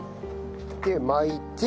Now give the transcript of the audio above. で巻いて。